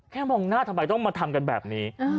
มองหน้าทำไมต้องมาทำกันแบบนี้